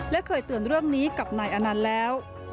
และเคยเตือนเรื่องนี้กับนายอนันต์แล้ว